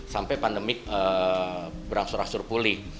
sampai pandemik berangsur angsur pulih